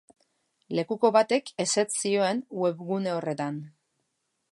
Lekuko batek ezetz zioen webgune horretan.